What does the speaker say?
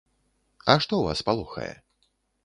А што вас палохае?